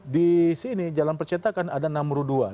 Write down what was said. di sini jalan percetakan ada namru ii